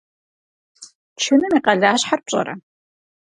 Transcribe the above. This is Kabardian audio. Чыным и къалащхьэр пщӏэрэ?